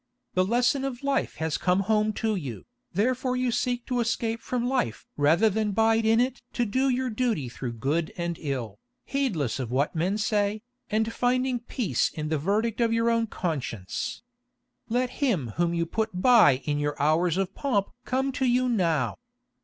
The lesson of life has come home to you, therefore you seek to escape from life rather than bide in it to do your duty through good and ill, heedless of what men may say, and finding peace in the verdict of your own conscience. Let Him Whom you put by in your hours of pomp come to you now.